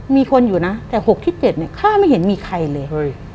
มีคนอยู่นะแต่๖๗ข้าไม่เห็นมีใครเลย